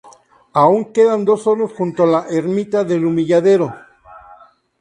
Aún quedan dos hornos junto a la ermita del Humilladero.